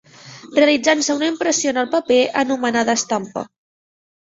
Realitzant-se una impressió en el paper anomenada estampa.